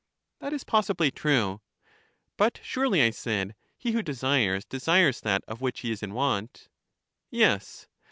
That is possibly true. But surely, I said, he who desires, desires that of which he is in want? Yes.